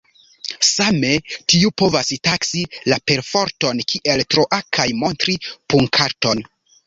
Same tiu povas taksi la perforton kiel troa kaj montri punkarton.